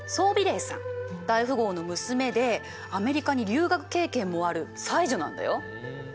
大富豪の娘でアメリカに留学経験もある才女なんだよ。